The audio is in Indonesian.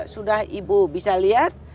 sudah ibu bisa lihat